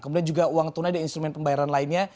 kemudian juga uang tunai dan instrumen pembayaran lainnya